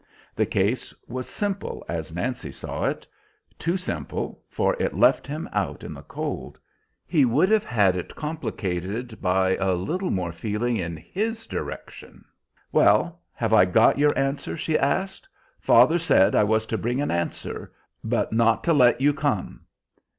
The case was simple as Nancy saw it; too simple, for it left him out in the cold. He would have had it complicated by a little more feeling in his direction. "Well, have I got your answer?" she asked. "Father said I was to bring an answer, but not to let you come."